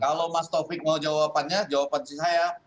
kalau mas taufik mau jawabannya jawabannya saya